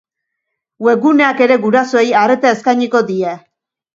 Web guneak ere gurasoei arreta eskainiko die.